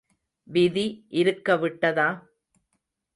விதி இருக்க விட்டதா?